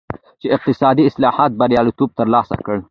چین اقتصادي اصلاحاتو بریالیتوب ترلاسه کړ.